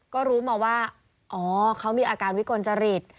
ก็รู้มาว่าอ๋อเขามีอาการวิกลจริต